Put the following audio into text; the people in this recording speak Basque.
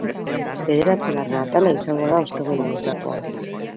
Bederatzigarren atala izango da ostegun honetakoa.